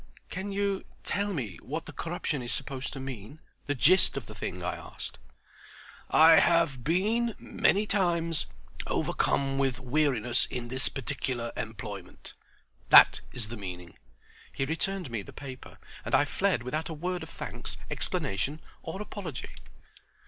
"Can you tell me what the corruption is supposed to mean—the gist of the thing?" I asked. "'I have been—many times—overcome with weariness in this particular employment. That is the meaning.'" He returned me the paper, and I fled without a word of thanks, explanation, or apology.